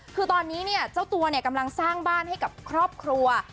คือตอนนี้เจ้าตัวกำลังสร้างบ้านให้กับครอบครัว